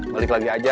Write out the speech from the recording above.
balik lagi aja